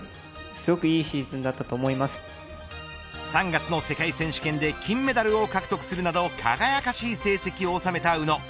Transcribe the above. ３月の世界選手権で金メダルを獲得するなど輝かしい成績を収めた宇野。